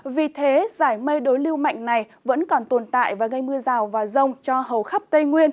vì thế giải mây đối lưu mạnh này vẫn còn tồn tại và gây mưa rào và rông cho hầu khắp tây nguyên